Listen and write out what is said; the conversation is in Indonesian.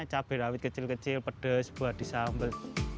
cabai rawit kecil kecil pedas buah di sambal